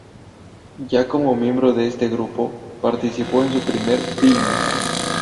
Ya como miembro de este grupo, participó en su primer filme.